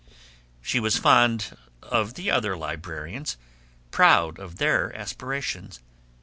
She was fond of the other librarians; proud of their aspirations.